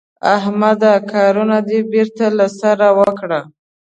احمده کارونه دې بېرته له سره وکړه.